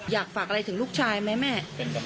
อยากฝากอะไรถึงลูกชายไหมแม่